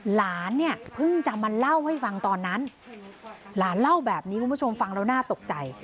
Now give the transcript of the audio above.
หลานเนี่ยเพิ่งจะมาเล่าให้ฟังตอนนั้นหลานเล่าแบบนี้คุณผู้ชมฟังแล้วน่าตกใจ